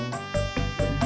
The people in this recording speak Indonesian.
sial banget gua